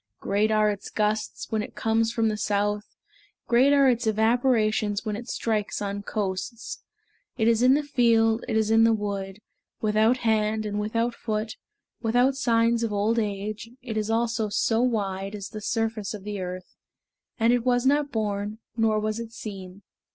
Great are its gusts When it comes from the south; Great are its evaporations When it strikes on coasts. It is in the field, it is in the wood, Without hand and without foot, Without signs of old age, It is also so wide, As the surface of the earth; And it was not born, Nor was it seen.